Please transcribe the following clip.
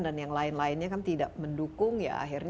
dan yang lain lainnya kan tidak mendukung ya akhirnya